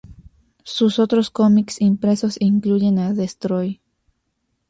Sus otros cómics impresos incluyen a Destroy!!